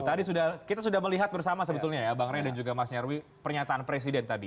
tadi kita sudah melihat bersama sebetulnya ya bang ray dan juga mas nyarwi pernyataan presiden tadi